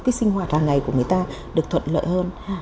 cái sinh hoạt hàng ngày của người ta được thuận lợi hơn